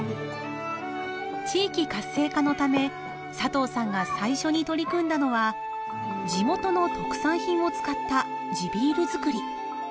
地域活性化のため佐藤さんが最初に取り組んだのは地元の特産品を使った地ビール作り。